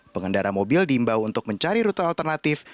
pengendara mobil diimbau untuk mencari rute alternatif